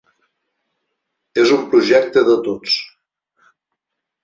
És un projecte de tots.